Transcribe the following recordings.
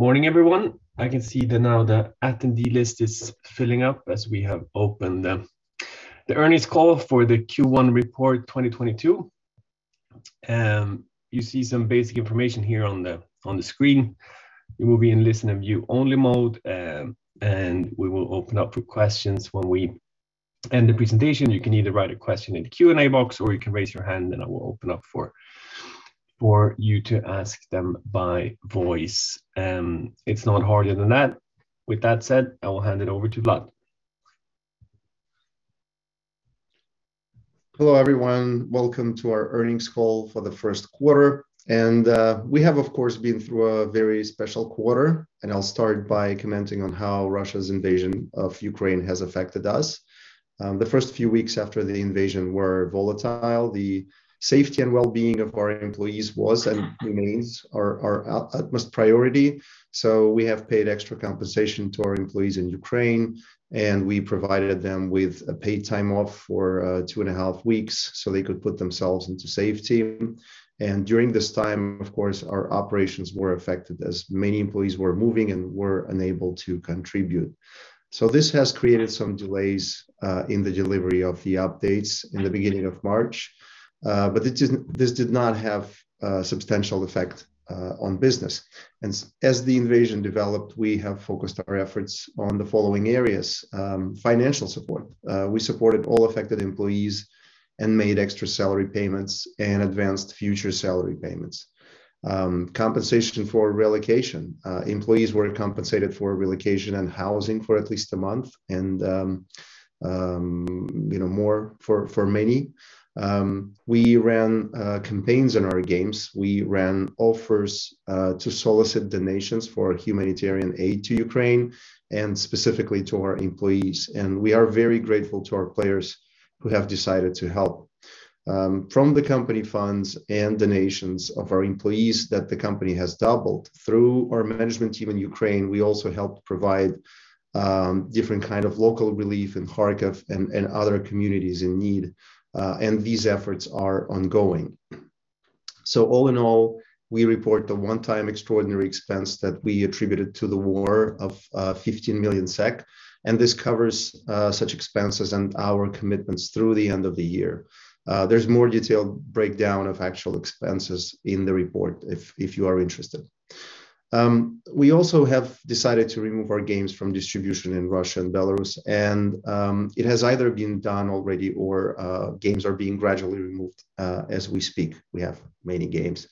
Morning, everyone. I can see that now the attendee list is filling up as we have opened the earnings call for the Q1 report 2022. You see some basic information here on the screen. You will be in listen and view-only mode, and we will open up for questions when we end the presentation. You can either write a question in the Q&A box, or you can raise your hand and I will open up for you to ask them by voice. It's not harder than that. With that said, I will hand it over to Vlad. Hello, everyone. Welcome to our Earnings Call for the Q1. We have of course been through a very special quarter, and I'll start by commenting on how Russia's invasion of Ukraine has affected us. The first few weeks after the invasion were volatile. The safety and wellbeing of our employees was and remains our utmost priority, so we have paid extra compensation to our employees in Ukraine, and we provided them with a paid time off for two and a half weeks so they could put themselves into safety. During this time, of course, our operations were affected as many employees were moving and were unable to contribute. This has created some delays in the delivery of the updates in the beginning of March. This did not have substantial effect on business. As the invasion developed, we have focused our efforts on the following areas. Financial support. We supported all affected employees and made extra salary payments and advanced future salary payments. Compensation for relocation. Employees were compensated for relocation and housing for at least a month and, you know, more for many. We ran campaigns in our games. We ran offers to solicit donations for humanitarian aid to Ukraine and specifically to our employees. We are very grateful to our players who have decided to help. From the company funds and donations of our employees that the company has doubled. Through our management team in Ukraine, we also helped provide different kind of local relief in Kharkiv and other communities in need, and these efforts are ongoing. All in all, we report the one-time extraordinary expense that we attributed to the war of 15 million SEK, and this covers such expenses and our commitments through the end of the year. There's more detailed breakdown of actual expenses in the report if you are interested. We also have decided to remove our games from distribution in Russia and Belarus, and it has either been done already or games are being gradually removed as we speak. We have many games.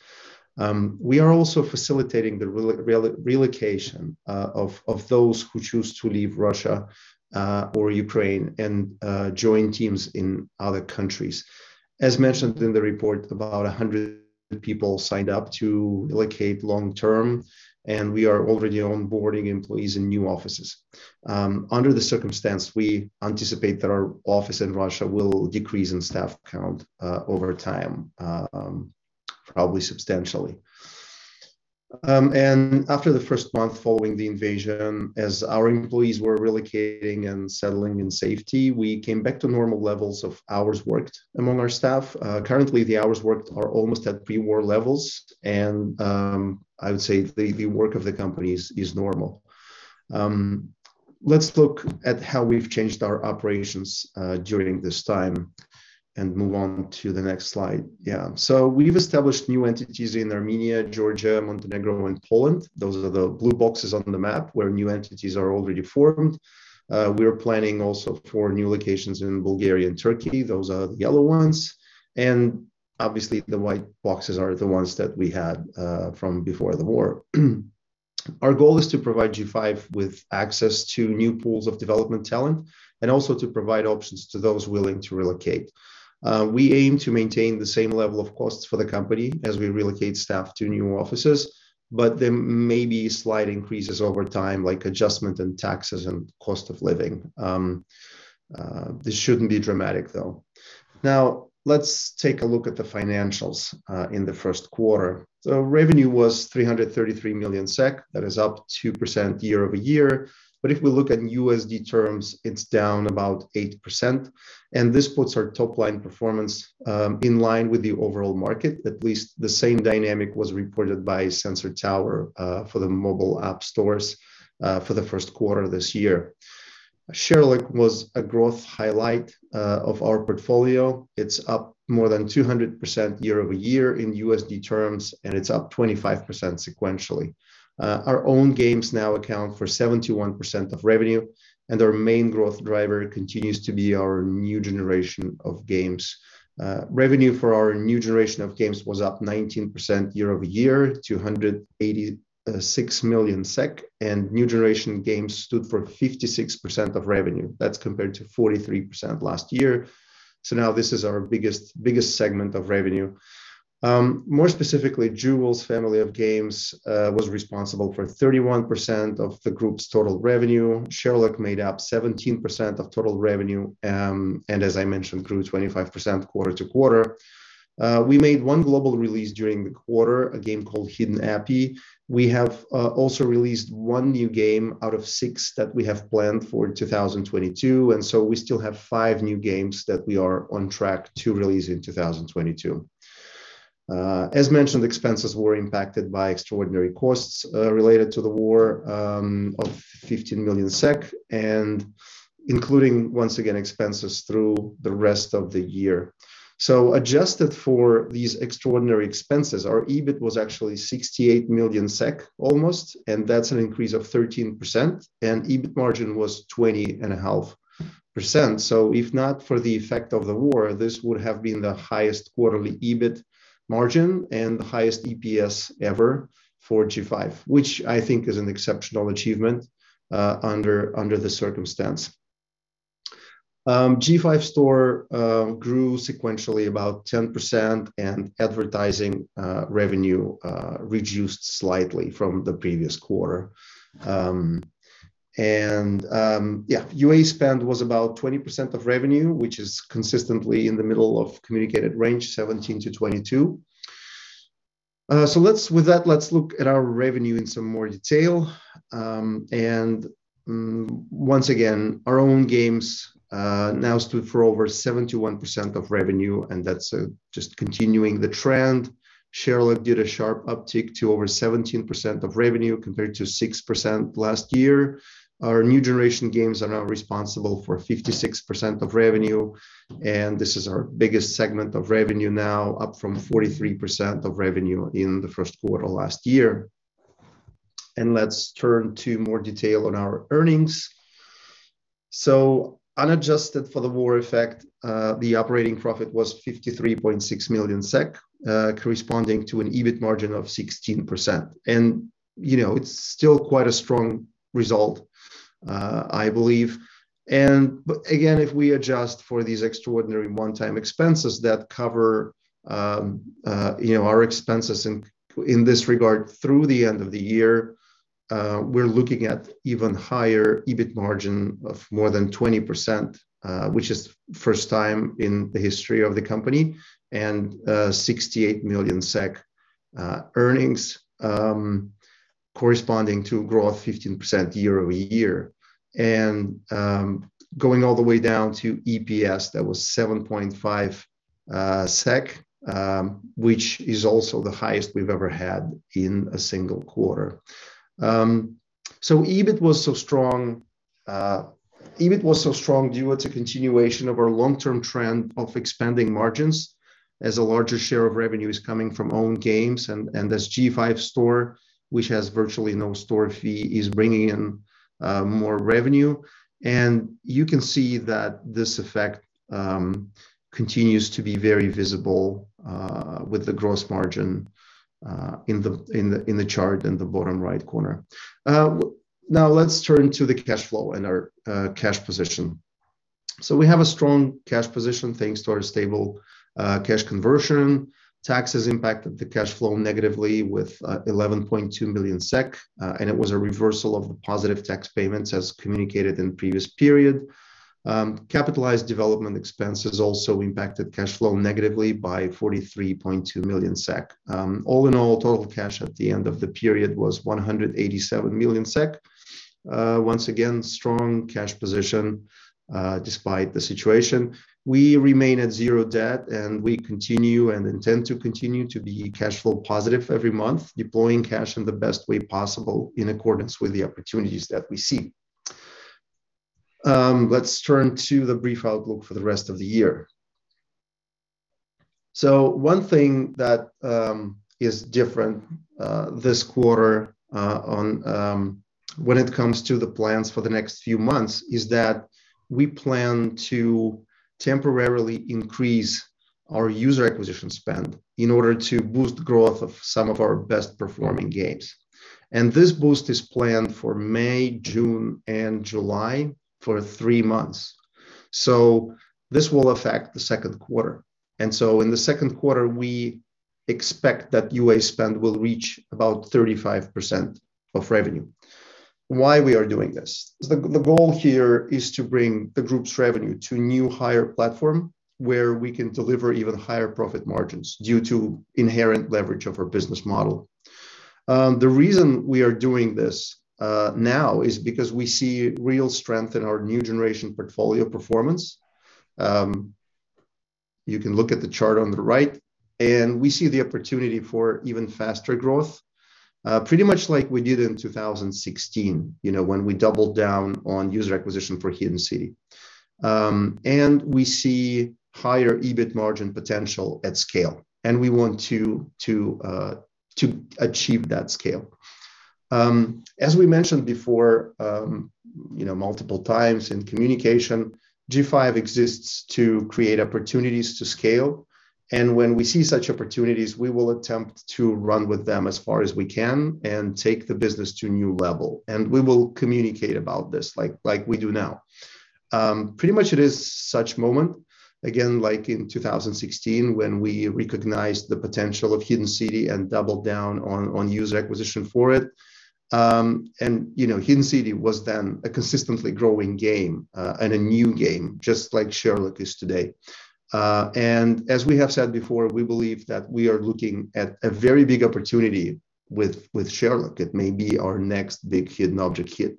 We are also facilitating the relocation of those who choose to leave Russia or Ukraine and join teams in other countries. As mentioned in the report, about 100 people signed up to relocate long-term, and we are already onboarding employees in new offices. Under the circumstances, we anticipate that our office in Russia will decrease in staff count, over time, probably substantially. After the first month following the invasion, as our employees were relocating and settling in safety, we came back to normal levels of hours worked among our staff. Currently the hours worked are almost at pre-war levels, and I would say the work of the company is normal. Let's look at how we've changed our operations during this time and move on to the next slide. Yeah. We've established new entities in Armenia, Georgia, Montenegro, and Poland. Those are the blue boxes on the map where new entities are already formed. We are planning also for new locations in Bulgaria and Turkey. Those are the yellow ones. Obviously the white boxes are the ones that we had from before the war. Our goal is to provide G5 with access to new pools of development talent, and also to provide options to those willing to relocate. We aim to maintain the same level of costs for the company as we relocate staff to new offices, but there may be slight increases over time, like adjustment in taxes and cost of living. This shouldn't be dramatic though. Now, let's take a look at the financials in the Q1. Revenue was 333 million SEK. That is up 2% year-over-year. If we look at USD terms, it's down about 8%, and this puts our top line performance in line with the overall market. At least the same dynamic was reported by Sensor Tower for the mobile app stores for the Q1 this year. Sherlock was a growth highlight of our portfolio. It's up more than 200% year-over-year in USD terms, and it's up 25% sequentially. Our own games now account for 71% of revenue, and our main growth driver continues to be our new generation of games. Revenue for our new generation of games was up 19% year-over-year to 186 million SEK, and new generation games stood for 56% of revenue. That's compared to 43% last year. Now this is our biggest segment of revenue. More specifically, Jewels family of games was responsible for 31% of the group's total revenue. Sherlock made up 17% of total revenue, and as I mentioned, grew 25% quarter-over-quarter. We made one global release during the quarter, a game called Hidden City. We have also released one new game out of six that we have planned for 2022, and so we still have five new games that we are on track to release in 2022. As mentioned, expenses were impacted by extraordinary costs related to the war of 15 million SEK, and including once again expenses through the rest of the year. Adjusted for these extraordinary expenses, our EBIT was actually 68 million SEK almost, and that's an increase of 13%, and EBIT margin was 20.5%. If not for the effect of the war, this would have been the highest quarterly EBIT margin and the highest EPS ever for G5, which I think is an exceptional achievement under the circumstance. G5 Store grew sequentially about 10% and advertising revenue reduced slightly from the previous quarter. UA spend was about 20% of revenue, which is consistently in the middle of communicated range, 17%-22%. With that, let's look at our revenue in some more detail. Once again, our own games now stood for over 71% of revenue, and that's just continuing the trend. Sherlock did a sharp uptick to over 17% of revenue, compared to 6% last year. Our new generation games are now responsible for 56% of revenue, and this is our biggest segment of revenue now, up from 43% of revenue in the Q1 last year. Let's turn to more detail on our earnings. Unadjusted for the war effect, the operating profit was 53.6 million SEK, corresponding to an EBIT margin of 16%. You know, it's still quite a strong result, I believe. But again, if we adjust for these extraordinary one-time expenses that cover you know, our expenses in this regard through the end of the year, we're looking at even higher EBIT margin of more than 20%, which is first time in the history of the company, and 68 million SEK earnings, corresponding to a growth 15% year-over-year. Going all the way down to EPS, that was 7.5 SEK, which is also the highest we've ever had in a single quarter. EBIT was so strong due to continuation of our long-term trend of expanding margins as a larger share of revenue is coming from own games and as G5 Store, which has virtually no store fee, is bringing in more revenue. You can see that this effect continues to be very visible with the gross margin in the chart in the bottom right corner. Now let's turn to the cash flow and our cash position. We have a strong cash position thanks to our stable cash conversion. Taxes impacted the cash flow negatively with 11.2 million SEK, and it was a reversal of the positive tax payments as communicated in previous period. Capitalized development expenses also impacted cash flow negatively by 43.2 million SEK. All in all, total cash at the end of the period was 187 million SEK. Once again, strong cash position, despite the situation. We remain at zero debt, and we continue and intend to continue to be cash flow positive every month, deploying cash in the best way possible in accordance with the opportunities that we see. Let's turn to the brief outlook for the rest of the year. One thing that is different this quarter on when it comes to the plans for the next few months is that we plan to temporarily increase our user acquisition spend in order to boost growth of some of our best-performing games. This boost is planned for May, June, and July for three months. This will affect the Q2. In the Q2, we expect that UA spend will reach about 35% of revenue. Why we are doing this? The goal here is to bring the group's revenue to a new higher platform where we can deliver even higher profit margins due to inherent leverage of our business model. The reason we are doing this now is because we see real strength in our new generation portfolio performance. You can look at the chart on the right, and we see the opportunity for even faster growth, pretty much like we did in 2016, you know, when we doubled down on user acquisition for Hidden City. We see higher EBIT margin potential at scale, and we want to achieve that scale. As we mentioned before, you know, multiple times in communication, G5 exists to create opportunities to scale, and when we see such opportunities, we will attempt to run with them as far as we can and take the business to a new level. We will communicate about this like we do now. Pretty much it is such moment, again like in 2016 when we recognized the potential of Hidden City and doubled down on user acquisition for it. You know, Hidden City was then a consistently growing game, and a new game, just like Sherlock is today. As we have said before, we believe that we are looking at a very big opportunity with Sherlock. It may be our next big hidden object hit.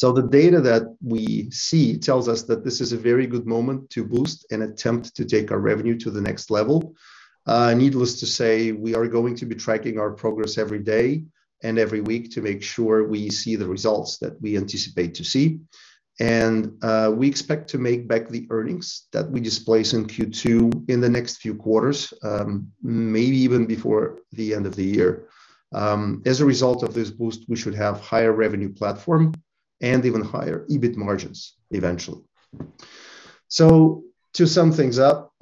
The data that we see tells us that this is a very good moment to boost and attempt to take our revenue to the next level. Needless to say, we are going to be tracking our progress every day and every week to make sure we see the results that we anticipate to see, and we expect to make back the earnings that we displace in Q2 in the next few quarters, maybe even before the end of the year. As a result of this boost, we should have higher revenue platform and even higher EBIT margins eventually. To sum things up,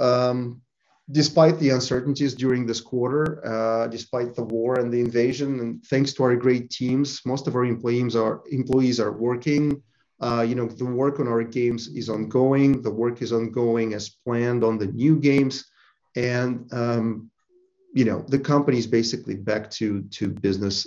despite the uncertainties during this quarter, despite the war and the invasion, and thanks to our great teams, most of our employees are working. You know, the work on our games is ongoing. The work is ongoing as planned on the new games and, you know, the company's basically back to business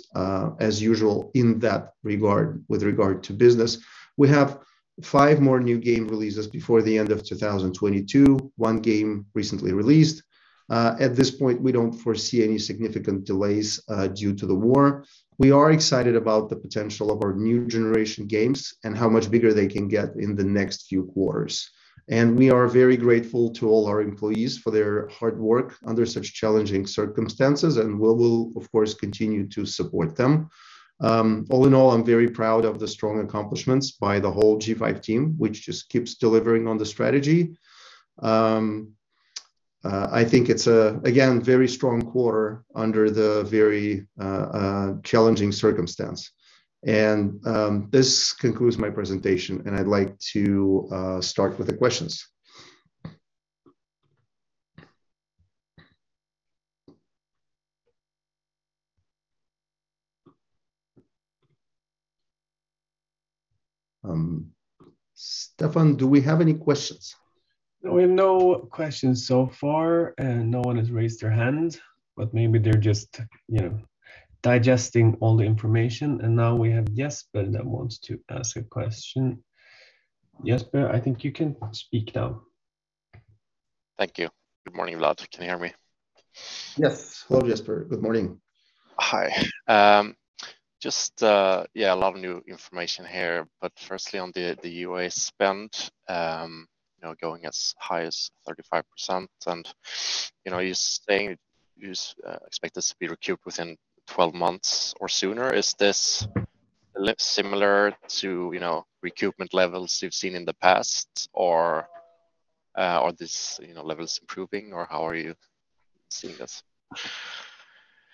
as usual in that regard with regard to business. We have five more new game releases before the end of 2022. One game recently released. At this point, we don't foresee any significant delays due to the war. We are excited about the potential of our new generation games and how much bigger they can get in the next few quarters. We are very grateful to all our employees for their hard work under such challenging circumstances, and we will, of course, continue to support them. All in all, I'm very proud of the strong accomplishments by the whole G5 team, which just keeps delivering on the strategy. I think it's a again very strong quarter under the very challenging circumstance. This concludes my presentation, and I'd like to start with the questions. Stefan, do we have any questions? No, we have no questions so far, and no one has raised their hand, but maybe they're just, you know, digesting all the information. Now we have Jesper that wants to ask a question. Jesper, I think you can speak now. Thank you. Good morning, Vlad. Can you hear me? Yes. Hello, Jesper. Good morning. Hi. Just a lot of new information here. Firstly on the UA spend, you know, going as high as 35% and, you know, you're saying you expect this to be recouped within 12 months or sooner. Is this similar to, you know, recoupment levels you've seen in the past or this, you know, levels improving or how are you seeing this?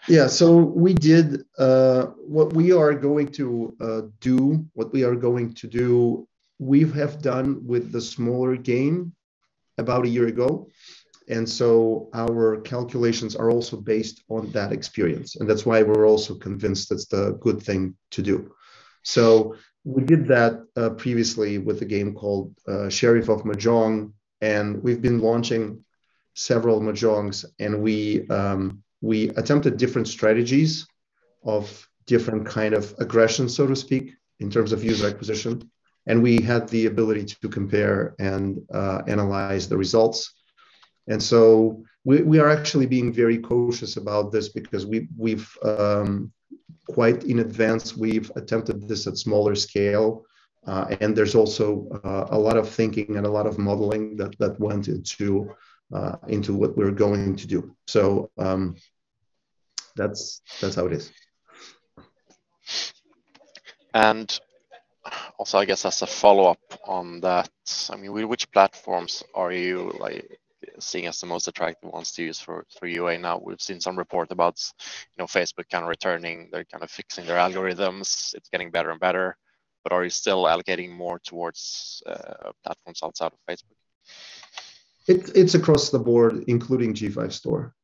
Yeah. We did what we are going to do, we have done with the smaller game about a year ago. Our calculations are also based on that experience, and that's why we're also convinced it's the good thing to do. We did that previously with a game called Sheriff of Mahjong, and we've been launching several mahjongs, and we attempted different strategies of different kind of aggression, so to speak, in terms of user acquisition, and we had the ability to compare and analyze the results. We are actually being very cautious about this because we've quite in advance we've attempted this at smaller scale, and there's also a lot of thinking and a lot of modeling that went into what we're going to do. That's how it is. Also, I guess as a follow-up on that, I mean, which platforms are you, like, seeing as the most attractive ones to use for UA now? We've seen some report about, you know, Facebook kind of returning. They're kind of fixing their algorithms. It's getting better and better. But are you still allocating more towards platforms outside of Facebook? It's across the board, including G5 Store.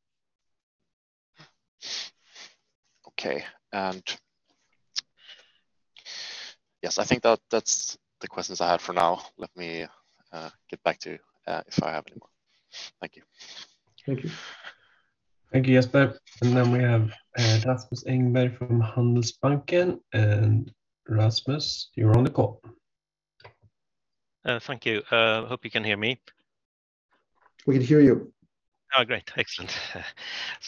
Okay. Yes, I think that's the questions I had for now. Let me get back to you if I have any more. Thank you. Thank you. Thank you, Jesper. We have Rasmus Engberg from Handelsbanken. Rasmus, you're on the call. Thank you. Hope you can hear me. We can hear you. Oh, great. Excellent.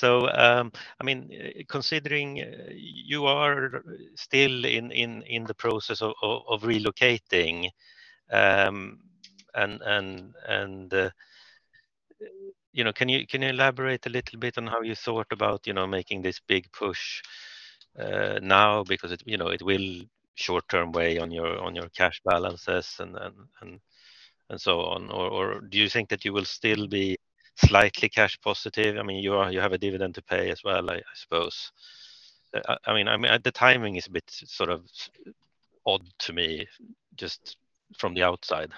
I mean, considering you are still in the process of relocating, and you know, can you elaborate a little bit on how you thought about, you know, making this big push now because it, you know, it will short-term weigh on your cash balances and so on. Do you think that you will still be slightly cash positive? I mean, you are. You have a dividend to pay as well, I suppose. I mean, the timing is a bit sort of odd to me just from the outside.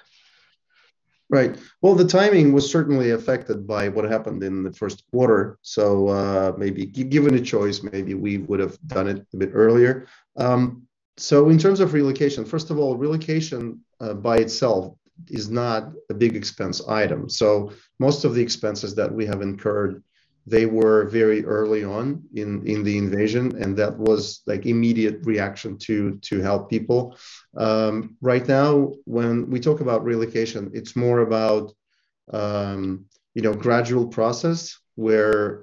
Right. Well, the timing was certainly affected by what happened in the Q1. Maybe given a choice, maybe we would have done it a bit earlier. In terms of relocation, first of all, relocation by itself is not a big expense item. Most of the expenses that we have incurred, they were very early on in the invasion, and that was like immediate reaction to help people. Right now, when we talk about relocation, it's more about you know gradual process where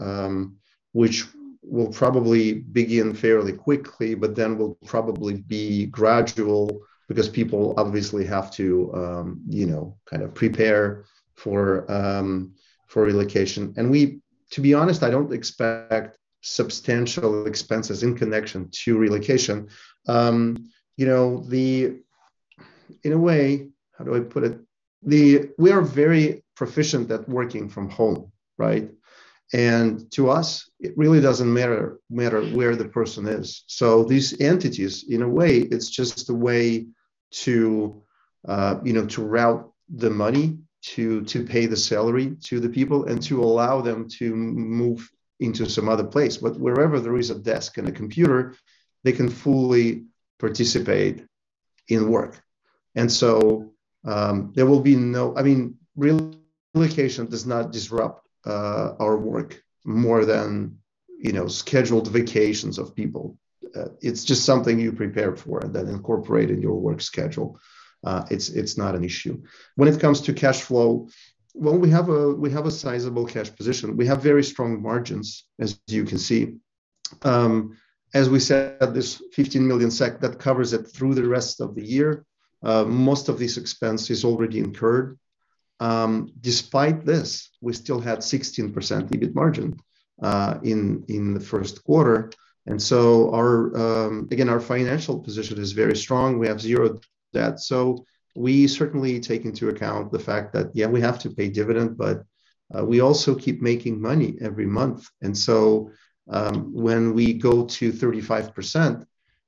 which will probably begin fairly quickly, but then will probably be gradual because people obviously have to you know kind of prepare for relocation. To be honest, I don't expect substantial expenses in connection to relocation. You know, the in a way, how do I put it? We are very proficient at working from home, right? To us, it really doesn't matter where the person is. These entities, in a way, it's just a way to route the money to pay the salary to the people, and to allow them to move into some other place. But wherever there is a desk and a computer, they can fully participate in work. I mean, relocation does not disrupt our work more than scheduled vacations of people. It's just something you prepare for and then incorporate in your work schedule. It's not an issue. When it comes to cash flow, we have a sizable cash position. We have very strong margins, as you can see. As we said, this 15 million SEK, that covers it through the rest of the year. Most of this expense is already incurred. Despite this, we still had 16% EBIT margin in the Q1. Our financial position is very strong. We have zero debt. We certainly take into account the fact that, yeah, we have to pay dividend, but we also keep making money every month. When we go to 35%,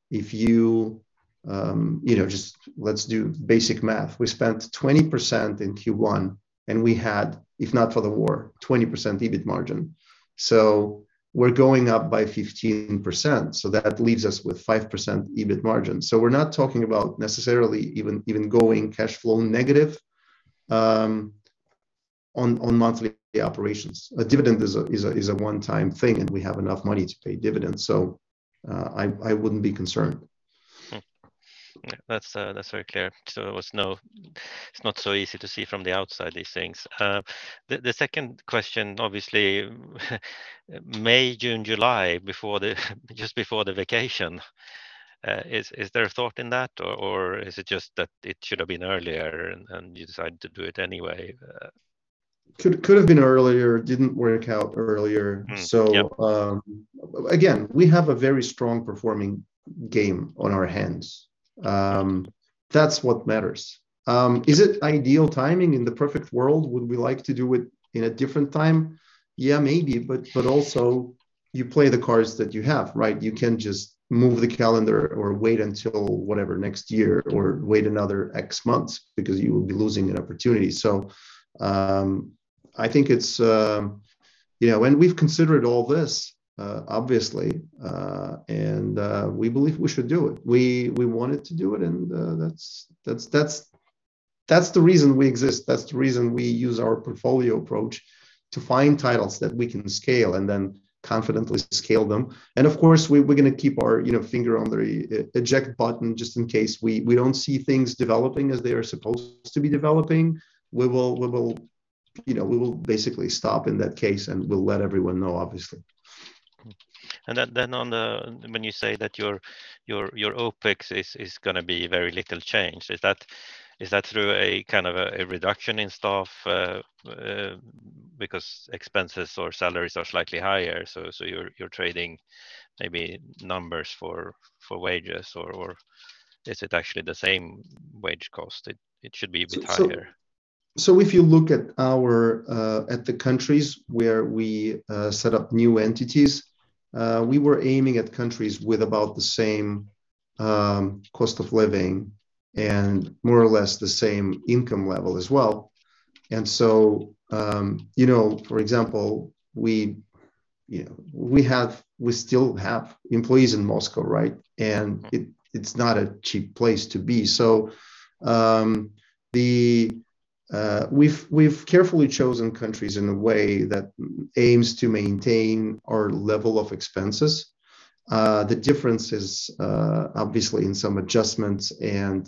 if you know, just let's do basic math. We spent 20% in Q1, and we had, if not for the war, 20% EBIT margin. We're going up by 15%, so that leaves us with 5% EBIT margin. We're not talking about necessarily even going cash flow negative on monthly operations. A dividend is a one-time thing, and we have enough money to pay dividends. I wouldn't be concerned. That's very clear. There was no. It's not so easy to see from the outside, these things. The second question, obviously, May, June, July, just before the vacation, is there a thought in that or is it just that it should have been earlier and you decided to do it anyway? Could've been earlier. Didn't work out earlier. Mm-hmm. Yep. Again, we have a very strong performing game on our hands. That's what matters. Is it ideal timing? In the perfect world, would we like to do it in a different time? Yeah, maybe. But also, you play the cards that you have, right? You can't just move the calendar or wait until, whatever, next year, or wait another X months because you will be losing an opportunity. You know, we've considered all this, obviously. We believe we should do it. We wanted to do it, and that's the reason we exist. That's the reason we use our portfolio approach, to find titles that we can scale and then confidently scale them. Of course, we're gonna keep our, you know, finger on the eject button just in case we don't see things developing as they are supposed to be developing. We will, you know, basically stop in that case, and we'll let everyone know, obviously. When you say that your OpEx is gonna be very little change, is that through a kind of a reduction in staff? Because expenses or salaries are slightly higher, so you're trading maybe numbers for wages. Or is it actually the same wage cost? It should be a bit higher. If you look at the countries where we set up new entities, we were aiming at countries with about the same cost of living and more or less the same income level as well. You know, for example, we still have employees in Moscow, right? It's not a cheap place to be. We've carefully chosen countries in a way that aims to maintain our level of expenses. The difference is obviously in some adjustments and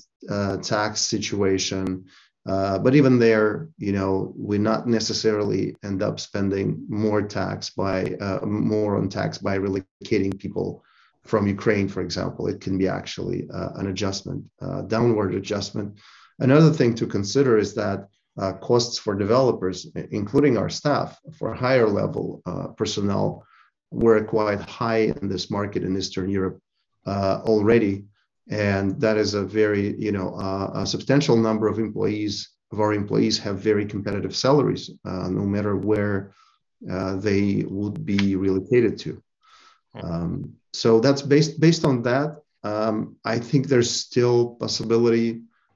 tax situation. But even there, you know, we not necessarily end up spending more on tax by relocating people from Ukraine, for example. It can be actually an adjustment, a downward adjustment. Another thing to consider is that costs for developers, including our staff, for higher-level personnel, were quite high in this market in Eastern Europe already, and that is a very, you know, a substantial number of employees, of our employees have very competitive salaries, no matter where they would be relocated to. Based on that,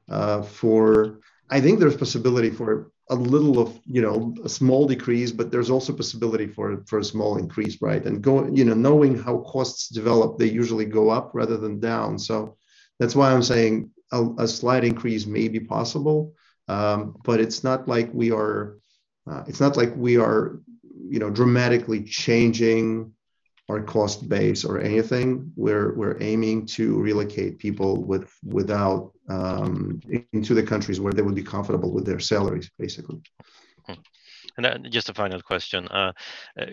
I think there's possibility for a little of, you know, a small decrease, but there's also possibility for a small increase, right? You know, knowing how costs develop, they usually go up rather than down. That's why I'm saying a slight increase may be possible, but it's not like we are, you know, dramatically changing our cost base or anything. We're aiming to relocate people without into the countries where they would be comfortable with their salaries, basically. Just a final question.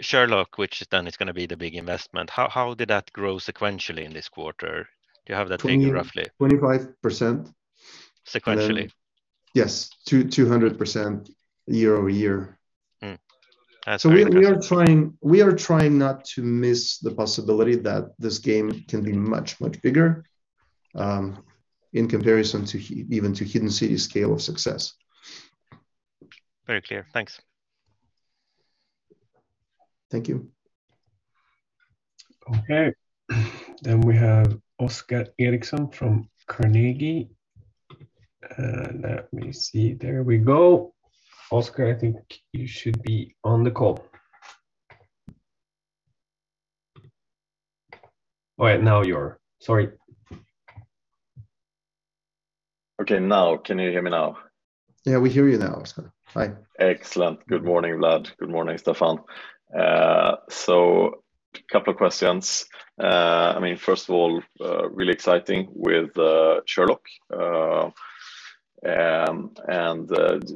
Sherlock, which then is gonna be the big investment, how did that grow sequentially in this quarter? Do you have that figure roughly? 25%. Sequentially? Yes. 200% year-over-year. That's very impressive. We are trying not to miss the possibility that this game can be much, much bigger in comparison to even to Hidden City's scale of success. Very clear. Thanks. Thank you. We have Oskar Eriksson from Carnegie. Let me see. There we go. Oskar, I think you should be on the call. All right, now you are. Sorry. Okay, now. Can you hear me now? Yeah, we hear you now, Oskar. Fine. Excellent. Good morning, Vlad. Good morning, Stefan. Couple of questions. I mean, first of all, really exciting with Sherlock.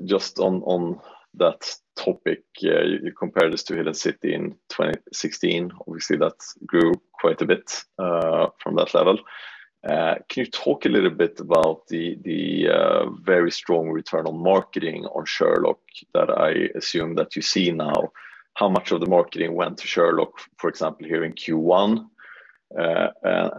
Just on that topic, you compare this to Hidden City in 2016. Obviously, that grew quite a bit from that level. Can you talk a little bit about the very strong return on marketing on Sherlock that I assume that you see now? How much of the marketing went to Sherlock, for example, here in Q1?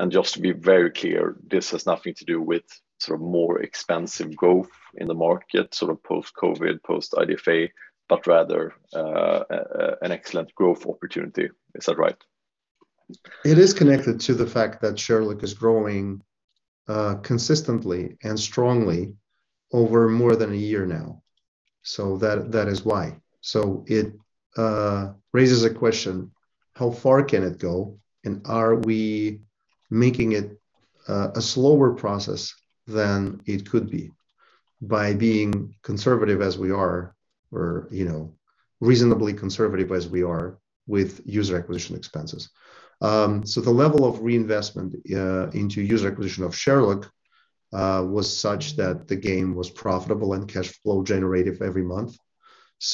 Just to be very clear, this has nothing to do with sort of more expensive growth in the market, sort of post-COVID, post-IDFA, but rather an excellent growth opportunity. Is that right? It is connected to the fact that Sherlock is growing consistently and strongly over more than a year now, that is why. It raises a question, how far can it go? Are we making it a slower process than it could be by being conservative as we are, or, you know, reasonably conservative as we are with user acquisition expenses? The level of reinvestment into user acquisition of Sherlock was such that the game was profitable and cash flow generative every month.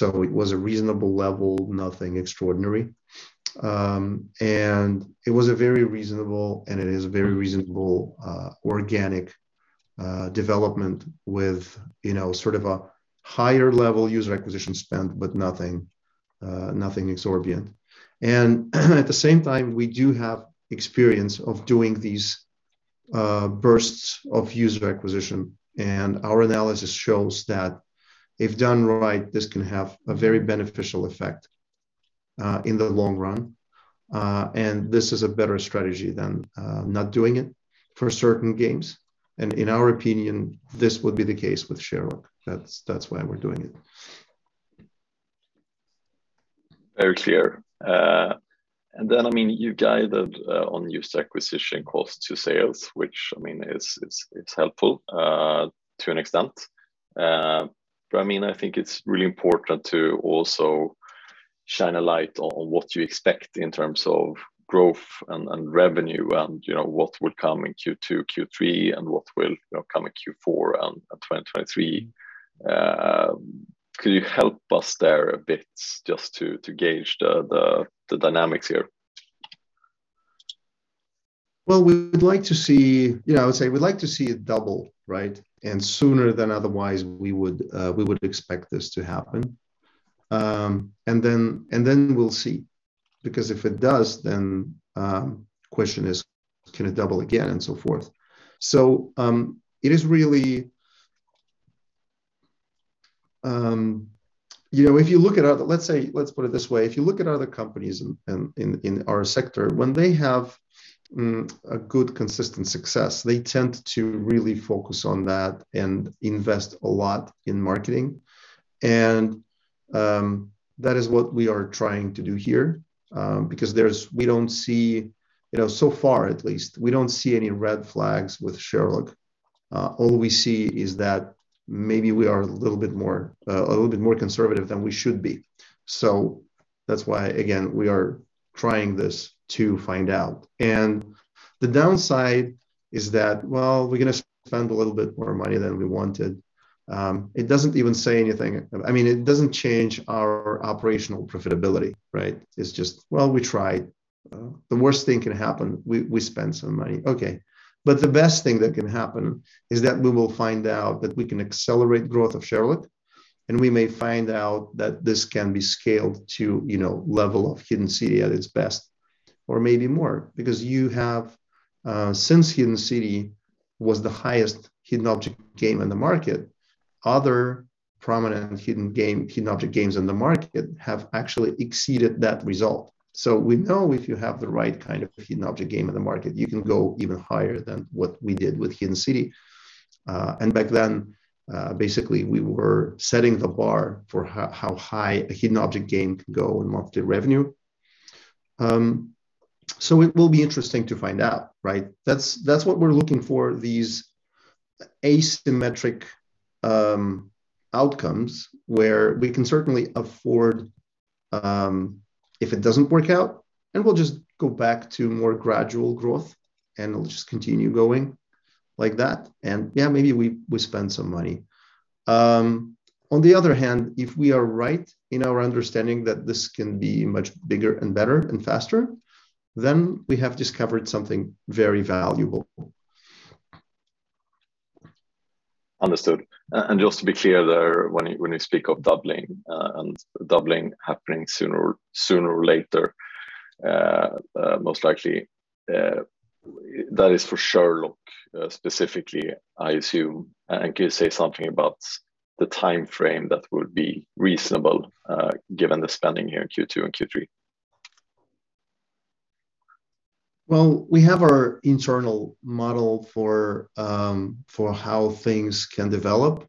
It was a reasonable level, nothing extraordinary. It was a very reasonable, and it is a very reasonable organic development with, you know, sort of a higher level user acquisition spend, but nothing exorbitant. At the same time, we do have experience of doing these bursts of user acquisition, and our analysis shows that if done right, this can have a very beneficial effect in the long run. This is a better strategy than not doing it for certain games. In our opinion, this would be the case with Sherlock. That's why we're doing it. Very clear. I mean, you guided on user acquisition cost to sales, which, I mean, it's helpful to an extent. I mean, I think it's really important to also shine a light on what you expect in terms of growth and revenue and, you know, what will come in Q2, Q3, and what will, you know, come in Q4 and in 2023. Could you help us there a bit just to gauge the dynamics here? Well, we would like to see. You know, I would say we'd like to see it double, right? Sooner than otherwise we would, we would expect this to happen. Then we'll see. Because if it does, then question is, can it double again, and so forth. It is really. You know, if you look at other. Let's say, let's put it this way. If you look at other companies in our sector, when they have a good, consistent success, they tend to really focus on that and invest a lot in marketing. That is what we are trying to do here, because we don't see, you know, so far at least, we don't see any red flags with Sherlock. All we see is that maybe we are a little bit more conservative than we should be. That's why, again, we are trying this to find out. The downside is that, well, we're gonna spend a little bit more money than we wanted. It doesn't even say anything. I mean, it doesn't change our operational profitability, right? It's just, well, we tried. The worst thing that can happen is we spend some money. Okay. The best thing that can happen is that we will find out that we can accelerate growth of Sherlock, and we may find out that this can be scaled to, you know, level of Hidden City at its best, or maybe more. Because you have, since Hidden City was the highest hidden object game in the market, other prominent hidden object games in the market have actually exceeded that result. We know if you have the right kind of hidden object game in the market, you can go even higher than what we did with Hidden City. Back then, basically, we were setting the bar for how high a hidden object game could go in monthly revenue. It will be interesting to find out, right? That's what we're looking for, these asymmetric outcomes where we can certainly afford, if it doesn't work out, then we'll just go back to more gradual growth, and we'll just continue going like that. Yeah, maybe we spend some money. On the other hand, if we are right in our understanding that this can be much bigger and better and faster, then we have discovered something very valuable. Understood. Just to be clear there, when you speak of doubling, and doubling happening sooner or later, most likely, that is for Sherlock, specifically, I assume. Can you say something about the timeframe that would be reasonable, given the spending here in Q2 and Q3? Well, we have our internal model for how things can develop.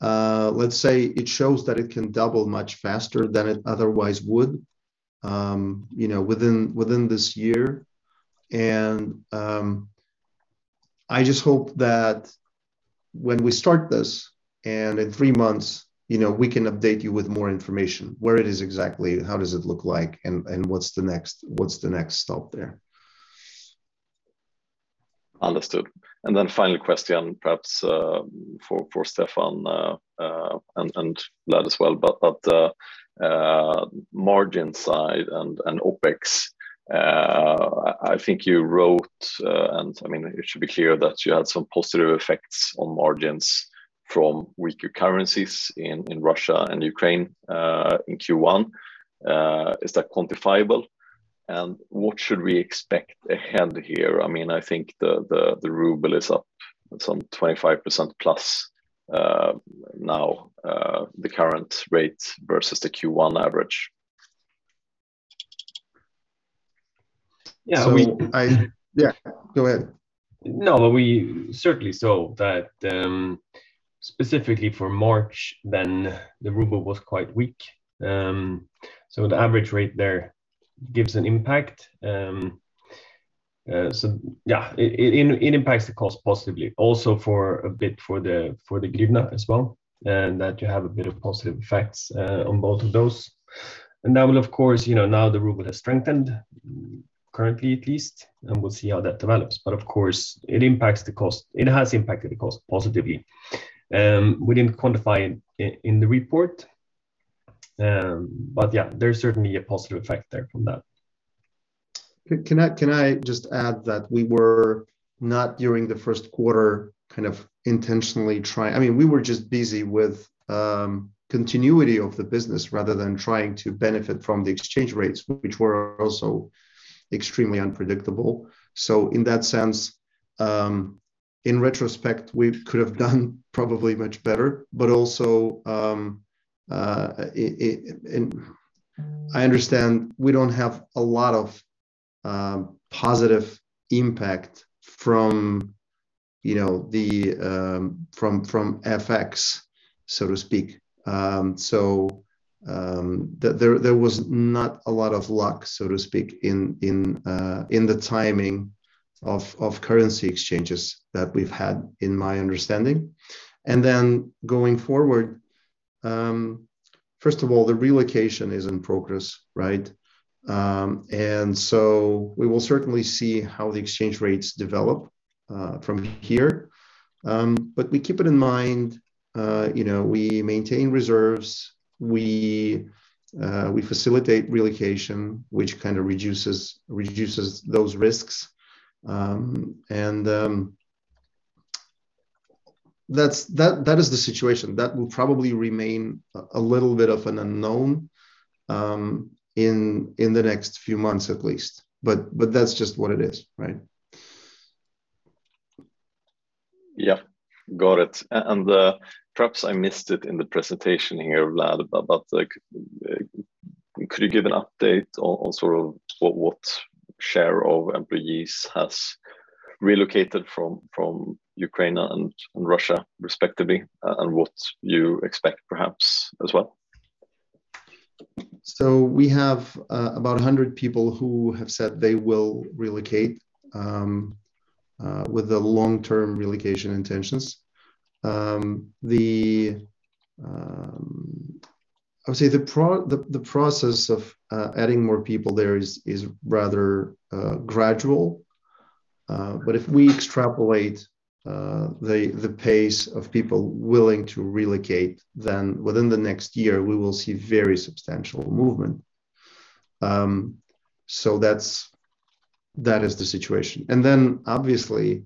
Let's say it shows that it can double much faster than it otherwise would, you know, within this year. I just hope that when we start this and in three months, you know, we can update you with more information, where it is exactly and how does it look like and what's the next stop there. Understood. Then final question, perhaps, for Stefan and Vlad as well. Margin side and OpEx, I think you wrote, and I mean it should be clear that you had some positive effects on margins from weaker currencies in Russia and Ukraine in Q1. Is that quantifiable? What should we expect ahead here? I mean, I think the ruble is up some 25% plus now, the current rate versus the Q1 average. Yeah. Yeah, go ahead. No, we certainly saw that, specifically for March then the ruble was quite weak. The average rate there gives an impact. Yeah, it impacts the cost positively also for the hryvnia as well, and that you have a bit of positive effects on both of those. That will of course, you know, now the ruble has strengthened currently at least, and we'll see how that develops. Of course it impacts the cost. It has impacted the cost positively. We didn't quantify in the report. Yeah, there's certainly a positive effect there from that. Can I just add that we were not during the Q1 kind of intentionally trying. I mean, we were just busy with continuity of the business rather than trying to benefit from the exchange rates, which were also extremely unpredictable. In that sense, in retrospect, we could have done probably much better. I understand we don't have a lot of positive impact from, you know, the, from FX, so to speak. There was not a lot of luck, so to speak, in the timing of currency exchanges that we've had in my understanding. Going forward, first of all, the relocation is in progress, right? We will certainly see how the exchange rates develop from here. We keep it in mind, you know, we maintain reserves. We facilitate relocation, which kind of reduces those risks. That is the situation. That will probably remain a little bit of an unknown in the next few months at least. That's just what it is, right? Yeah. Got it. Perhaps I missed it in the presentation here, Vlad, but like, could you give an update on sort of what share of employees has relocated from Ukraine and Russia respectively, and what you expect perhaps as well? We have about 100 people who have said they will relocate with the long-term relocation intentions. I would say the process of adding more people there is rather gradual. If we extrapolate the pace of people willing to relocate then within the next year we will see very substantial movement. That is the situation. Obviously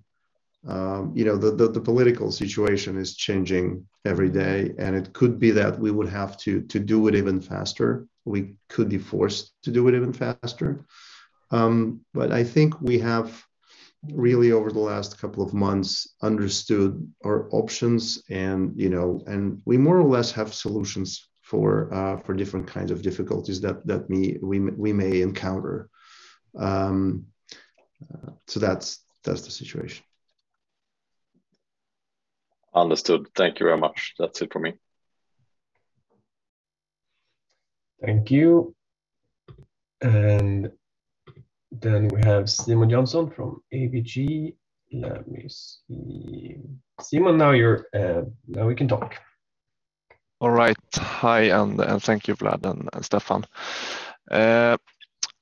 you know the political situation is changing every day, and it could be that we would have to do it even faster. We could be forced to do it even faster. I think we have really over the last couple of months understood our options and, you know, and we more or less have solutions for different kinds of difficulties that we may encounter. That's the situation. Understood. Thank you very much. That's it from me. Thank you. We have Simon Jönsson from ABG. Let me see. Simon, now you're. Now we can talk. All right. Hi, and thank you, Vlad and Stefan.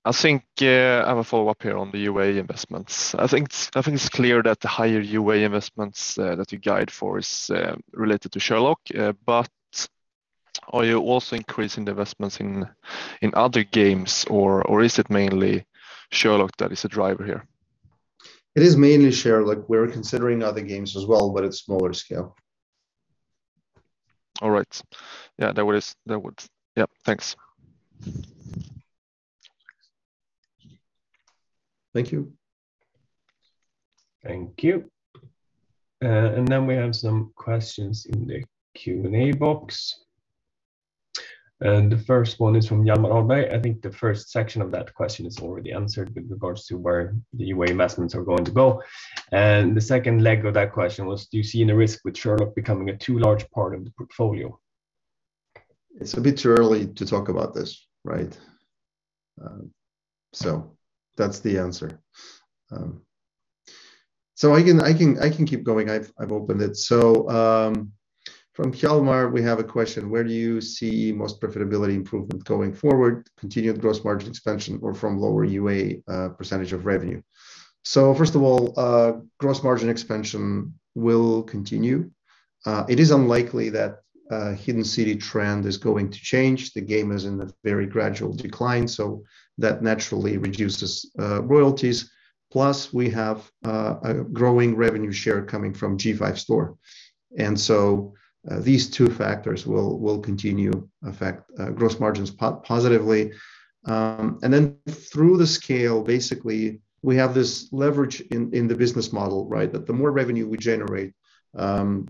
I think I have a follow-up here on the UA investments. I think it's clear that the higher UA investments that you guide for is related to Sherlock. Are you also increasing the investments in other games or is it mainly Sherlock that is a driver here? It is mainly Sherlock. We're considering other games as well, but it's smaller scale. All right. Yeah, that would. Yeah. Thanks. Thank you. Thank you. We have some questions in the Q&A box. The first one is from Hjalmar Ahlberg. I think the first section of that question is already answered with regards to where the UA investments are going to go. The second leg of that question was, do you see any risk with Sherlock becoming a too large part of the portfolio? It's a bit too early to talk about this, right? That's the answer. I can keep going. I've opened it. From Hjalmar, we have a question, where do you see most profitability improvement going forward, continued gross margin expansion or from lower UA percentage of revenue? First of all, gross margin expansion will continue. It is unlikely that a Hidden City trend is going to change. The game is in a very gradual decline, so that naturally reduces royalties. Plus, we have a growing revenue share coming from G5 Store. These two factors will continue affect gross margins positively. Then through the scale, basically, we have this leverage in the business model, right? That the more revenue we generate, the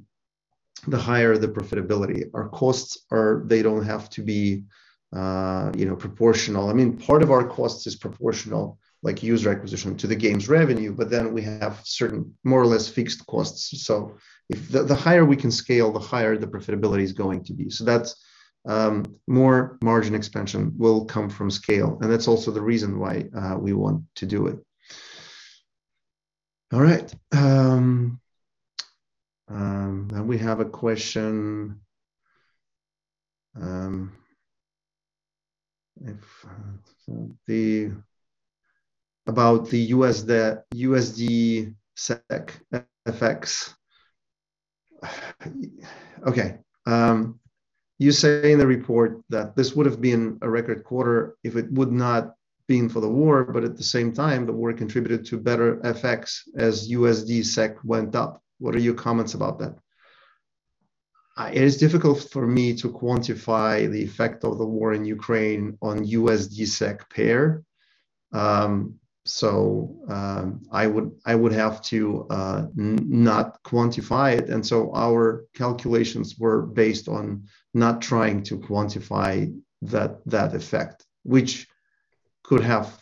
higher the profitability. Our costs are. They don't have to be, you know, proportional. I mean, part of our cost is proportional, like user acquisition to the game's revenue, but then we have certain more or less fixed costs. If the higher we can scale, the higher the profitability is going to be. That's more margin expansion will come from scale, and that's also the reason why we want to do it. All right. Then we have a question about the U.S., the USD-SEK FX. Okay. You say in the report that this would have been a record quarter if it would not been for the war, but at the same time, the war contributed to better FX as USD-SEK went up. What are your comments about that? It is difficult for me to quantify the effect of the war in Ukraine on USD-SEK pair. I would have to not quantify it. Our calculations were based on not trying to quantify that effect, which could have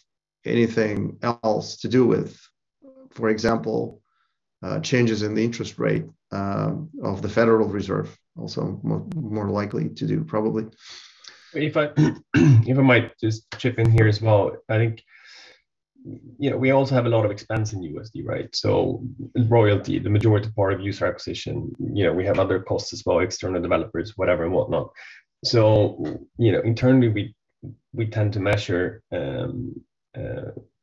anything else to do with, for example, changes in the interest rate of the Federal Reserve also more likely to do probably. If I might just chip in here as well. I think, you know, we also have a lot of expenses in USD, right? Royalties, the majority part of user acquisition, you know, we have other costs as well, external developers, whatever and whatnot. Internally, we tend to measure in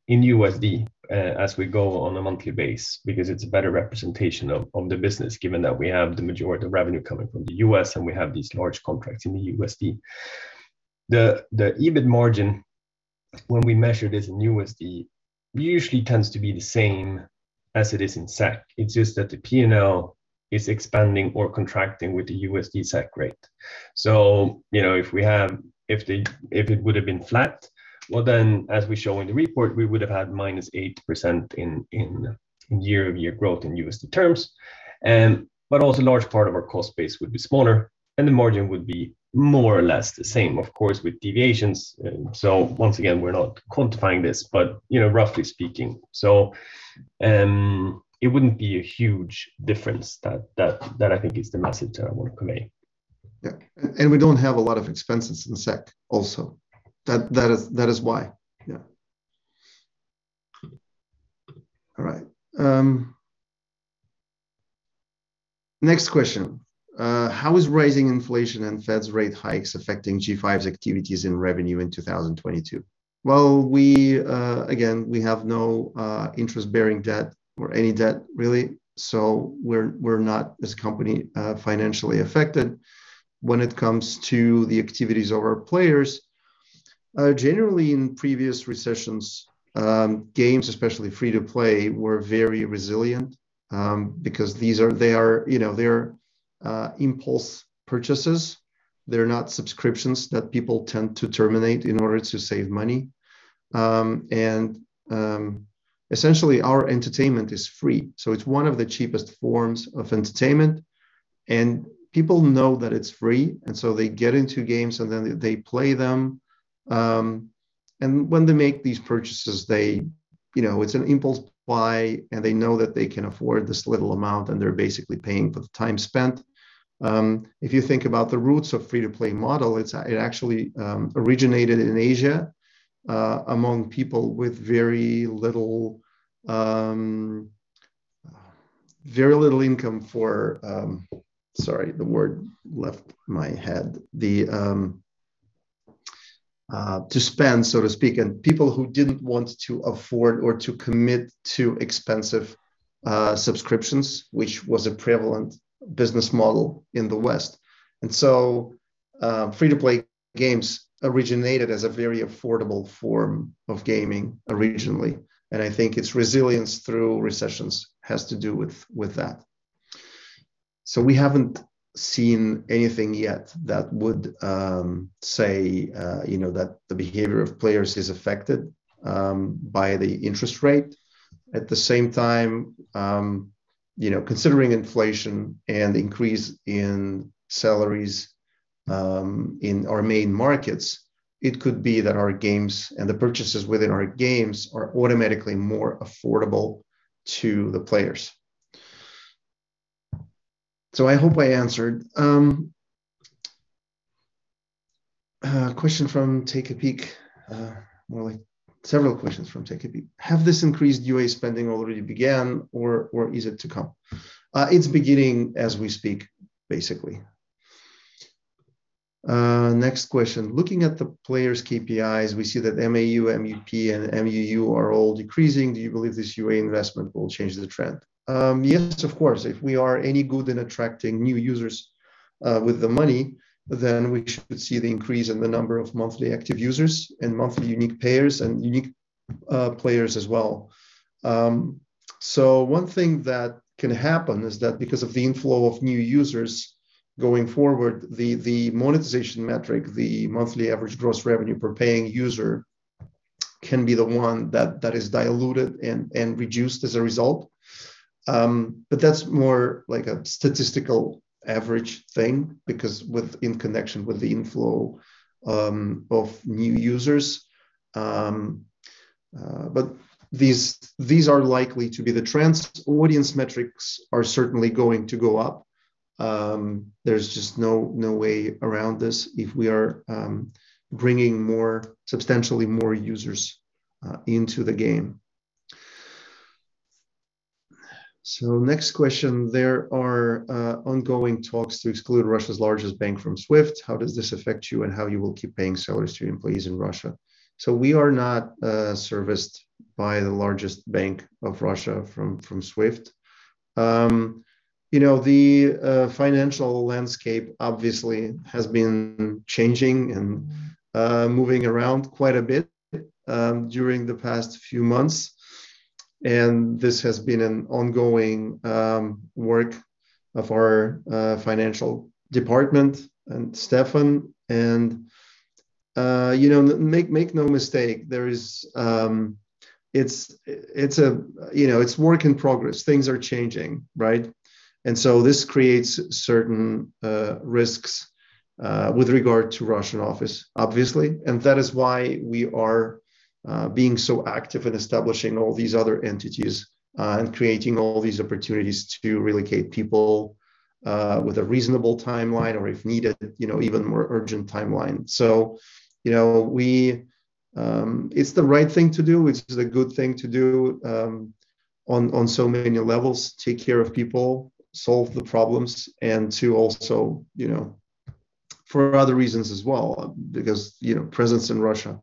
USD as we go on a monthly basis because it's a better representation of the business, given that we have the majority of revenue coming from the U.S., and we have these large contracts in the USD. The EBIT margin when we measure this in USD usually tends to be the same as it is in SEK. It's just that the P&L is expanding or contracting with the USD-SEK rate. You know, if it would have been flat, well, then as we show in the report, we would have had -8% in year-over-year growth in USD terms. Also a large part of our cost base would be smaller, and the margin would be more or less the same, of course, with deviations. Once again, we're not quantifying this, but, you know, roughly speaking. It wouldn't be a huge difference that I think is the message I want to convey. Yeah. We don't have a lot of expenses in SEK also. That is why. Yeah. All right. Next question. How is rising inflation and Fed's rate hikes affecting G5's activities in revenue in 2022? Well, we again have no interest-bearing debt or any debt really, so we're not as a company financially affected when it comes to the activities of our players. Generally, in previous recessions, games, especially free-to-play, were very resilient because these are, you know, impulse purchases. They're not subscriptions that people tend to terminate in order to save money. Essentially, our entertainment is free, so it's one of the cheapest forms of entertainment. People know that it's free, so they get into games, and then they play them. When they make these purchases, they, you know, it's an impulse buy, and they know that they can afford this little amount, and they're basically paying for the time spent. If you think about the roots of free-to-play model, it's, it actually originated in Asia among people with very little income to spend, so to speak, and people who didn't want to afford or to commit to expensive subscriptions, which was a prevalent business model in the West. Free-to-play games originated as a very affordable form of gaming originally, and I think its resilience through recessions has to do with that. We haven't seen anything yet that would say, you know, that the behavior of players is affected by the interest rate. At the same time, you know, considering inflation and increase in salaries, in our main markets, it could be that our games and the purchases within our games are automatically more affordable to the players. I hope I answered. Question from Take-A-Peek. More like several questions from Take-A-Peek. Have this increased UA spending already began or is it to come? It's beginning as we speak, basically. Next question. Looking at the players' KPIs, we see that MAU, MUP, and MUU are all decreasing. Do you believe this UA investment will change the trend? Yes, of course. If we are any good in attracting new users, with the money, then we should see the increase in the number of monthly active users and monthly unique payers and unique players as well. One thing that can happen is that because of the inflow of new users going forward, the monetization metric, the monthly average gross revenue per paying user can be the one that is diluted and reduced as a result. That's more like a statistical average thing because, in connection with the inflow of new users. These are likely to be the trends. Audience metrics are certainly going to go up. There's just no way around this if we are bringing more, substantially more users into the game. Next question. There are ongoing talks to exclude Russia's largest bank from SWIFT. How does this affect you, and how you will keep paying salaries to employees in Russia? We are not serviced by the largest bank of Russia from SWIFT. You know, the financial landscape obviously has been changing and moving around quite a bit during the past few months, and this has been an ongoing work of our financial department and Stefan and you know, make no mistake, there is. It's a you know, it's work in progress. Things are changing, right? This creates certain risks with regard to Russian office, obviously, and that is why we are being so active in establishing all these other entities and creating all these opportunities to relocate people with a reasonable timeline or, if needed, you know, even more urgent timeline. You know, we. It's the right thing to do. It's the good thing to do, on so many levels, take care of people, solve the problems, and to also, you know, for other reasons as well, because, you know, presence in Russia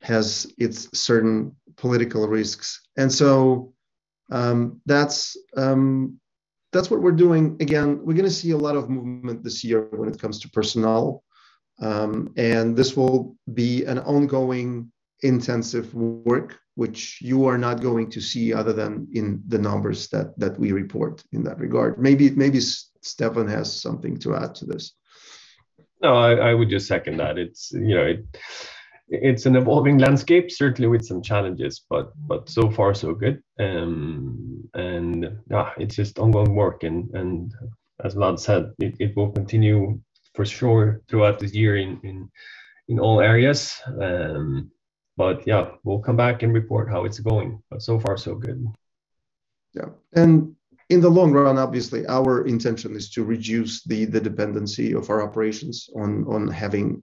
has its certain political risks. That's what we're doing. Again, we're gonna see a lot of movement this year when it comes to personnel, and this will be an ongoing intensive work which you are not going to see other than in the numbers that we report in that regard. Maybe Stefan has something to add to this. No, I would just second that. It's, you know, it's an evolving landscape, certainly with some challenges, but so far so good. No, it's just ongoing work and as Vlad said, it will continue for sure throughout this year in all areas. Yeah, we'll come back and report how it's going. So far so good. Yeah. In the long run, obviously, our intention is to reduce the dependency of our operations on having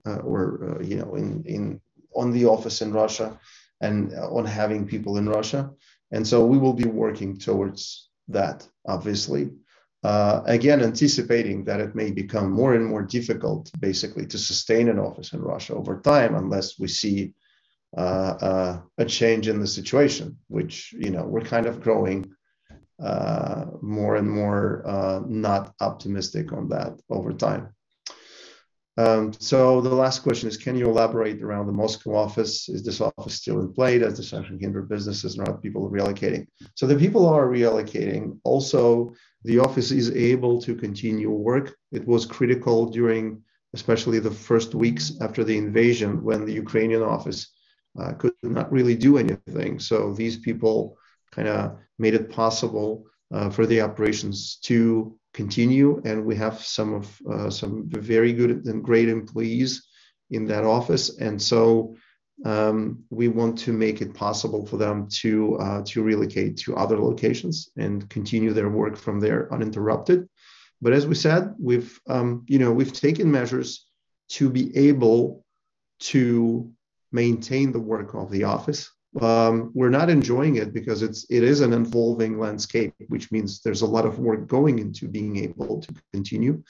you know in the office in Russia and on having people in Russia. We will be working towards that, obviously. Again, anticipating that it may become more and more difficult basically to sustain an office in Russia over time unless we see a change in the situation, which you know we're kind of growing more and more not optimistic on that over time. The last question is, can you elaborate around the Moscow office? Is this office still in play as essential G5 business as more people are relocating? The people are relocating. Also, the office is able to continue work. It was critical during especially the first weeks after the invasion when the Ukrainian office could not really do anything. These people kinda made it possible for the operations to continue, and we have some very good and great employees in that office. We want to make it possible for them to relocate to other locations and continue their work from there uninterrupted. As we said, we've, you know, taken measures to be able to maintain the work of the office. We're not enjoying it because it is an evolving landscape, which means there's a lot of work going into being able to continue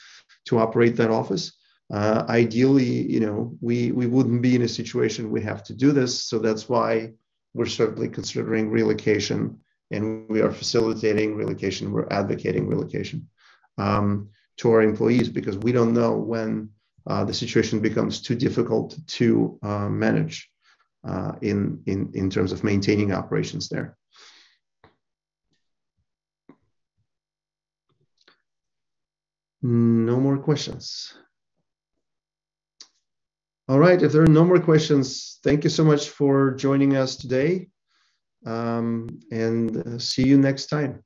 to operate that office. Ideally, you know, we wouldn't be in a situation we have to do this, so that's why we're certainly considering relocation and we are facilitating relocation, we're advocating relocation, to our employees because we don't know when the situation becomes too difficult to manage, in terms of maintaining operations there. No more questions. All right. If there are no more questions, thank you so much for joining us today, and see you next time.